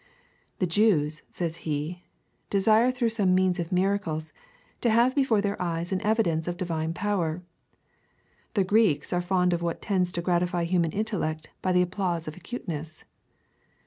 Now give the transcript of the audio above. " The Jews," says he, " desire through means of miracles to have before their eyes an evi dence of divine jjower : the Greeks are fond of Avhat tends to gratify human intellect by the applause of acuteness.